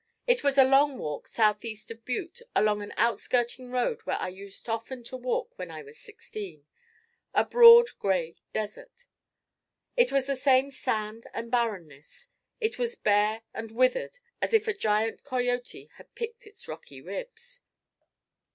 It was a long walk south east of Butte along an outskirting road where I used often to walk when I was sixteen a broad gray desert. It was the same sand and barrenness. It was bare and withered as if a giant coyote had picked its rocky ribs.